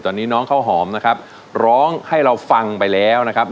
ตอนนี้น้องข้าวหอมนะครับร้องให้เราฟังไปแล้วนะครับ